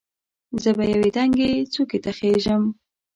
زه به یوې دنګې څوکې ته خېژم.